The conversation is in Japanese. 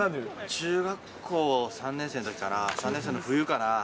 中学校３年生のときかな、３年生の冬かな。